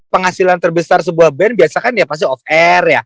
penghasilan terbesar sebuah band biasa kan ya pasti off air ya